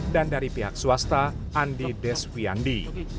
dan dari pihak swasta andi deswiandi